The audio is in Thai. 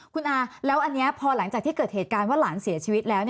คุณอาแล้วอันนี้พอหลังจากที่เกิดเหตุการณ์ว่าหลานเสียชีวิตแล้ว